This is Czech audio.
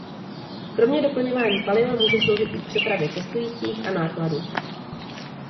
Kromě doplňování paliva může sloužit i k přepravě cestujících a nákladu.